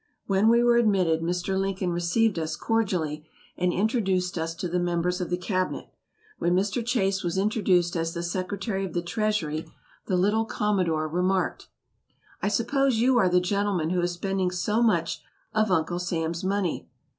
When we were admitted Mr. Lincoln received us cordially, and introduced us to the members of the cabinet. When Mr. Chase was introduced as the Secretary of the Treasury, the little Commodore remarked: "I suppose you are the gentleman who is spending so much of Uncle Sam's money?"